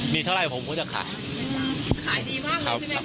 มีเท่าไหร่ผมก็จะขายขายดีมากเลยใช่ไหมครับ